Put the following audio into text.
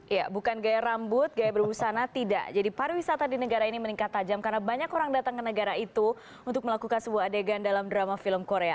ya bukan gaya rambut gaya berbusana tidak jadi pariwisata di negara ini meningkat tajam karena banyak orang datang ke negara itu untuk melakukan sebuah adegan dalam drama film korea